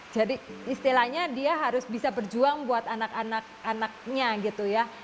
jadi istilahnya dia harus bisa berjuang buat anak anaknya gitu ya